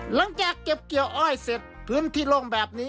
หลังจากเก็บเกี่ยวอ้อยเสร็จพื้นที่โล่งแบบนี้